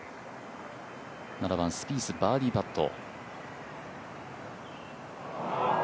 ７番、スピースバーディーパット。